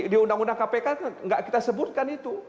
di undang undang kpk tidak kita sebutkan itu